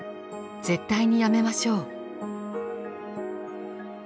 絶対にやめましょう。